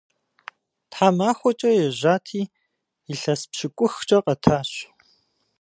Тхьэмахуэкӏэ ежьати, илъэс пщыкӏухкӏэ къэтащ.